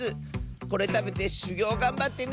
これたべてしゅぎょうがんばってねって！